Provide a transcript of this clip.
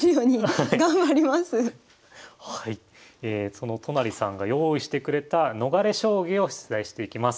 その都成さんが用意してくれた逃れ将棋を出題していきます。